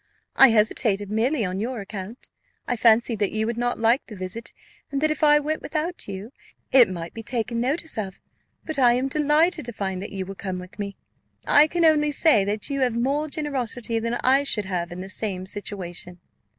I hesitated merely on your account: I fancied that you would not like the visit, and that if I went without you, it might be taken notice of; but I am delighted to find that you will come with me: I can only say that you have more generosity than I should have in the same situation."